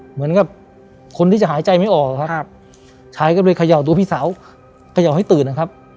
เหมือนกับคนที่จะหายใจไม่ออกครับชายก็เลยเขย่าตัวพี่สาวเขย่าให้ตื่นนะครับ